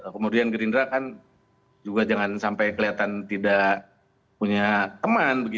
kemudian gerindra kan juga jangan sampai kelihatan tidak punya teman